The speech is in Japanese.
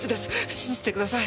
信じてください！